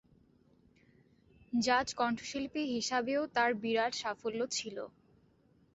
জাজ কণ্ঠশিল্পী হিসাবেও তার বিরাট সাফল্য ছিল।